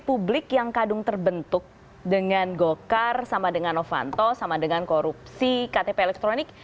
publik yang kadung terbentuk dengan gokar sama dengan novanto sama dengan korupsi ktp elektronik